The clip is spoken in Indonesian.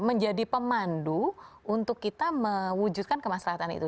menjadi pemandu untuk kita mewujudkan kemaslahan itu